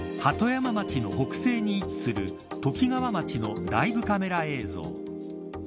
鳩山町の北西に位置するときがわ町のライブカメラ映像。